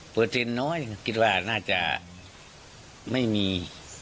เปอร์เซ็นต์น้อยคิดว่าน่าจะไม่มี